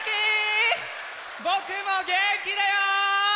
ぼくもげんきだよ！